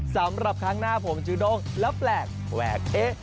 สำหรับครั้งหน้าผมจูด้งแล้วแปลกแหวกเอ๊ะ